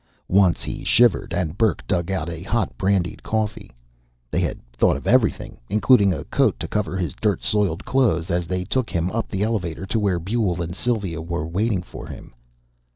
Once he shivered, and Burke dug out hot brandied coffee. They had thought of everything, including a coat to cover his dirt soiled clothes as they took him up the elevator to where Buehl and Sylvia were waiting for him.